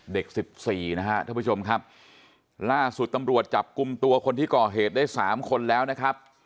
เด็ก๑๔นะฮะท่านผู้ชมครับล่าสุดตำรวจจับกลุ่มตัวคนที่ก่อเหตุได้๓คนแล้วนะครับ